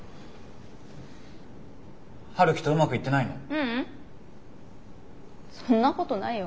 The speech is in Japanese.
陽樹とうまくいってないの？